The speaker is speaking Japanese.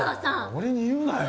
俺に言うなよ。